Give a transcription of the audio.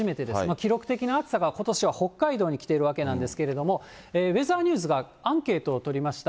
記録的な暑さが、ことしは北海道にきているわけなんですけれども、ウェザーニュースがアンケートを取りました。